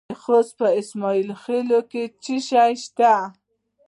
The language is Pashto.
د خوست په اسماعیل خیل کې څه شی شته؟